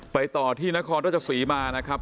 ไปต่อที่นครทศศรีมานะครับ